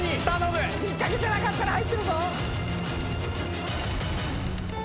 引っ掛けじゃなかったら入ってるぞ。